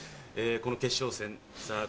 この決勝戦さぁ